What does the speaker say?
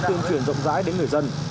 tiên truyền rộng rãi đến người dân